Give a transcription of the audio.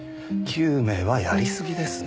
９名はやりすぎですね。